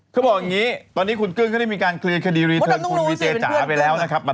เขาบอกอย่างนี้ตอนนี้คุณกึ้งก็ได้มีการเคลียร์คดีรีเทิร์นคุณวีเจจ๋าไปแล้วนะครับ